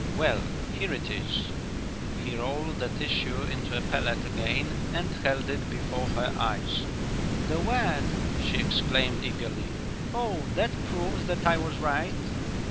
Well, here it is." He rolled the tissue into a pellet again and held it before her eyes. "The wad!" she exclaimed eagerly. "Oh, that proves that I was right?"